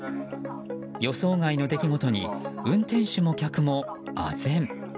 予想外の出来事に運転手も客も、あぜん。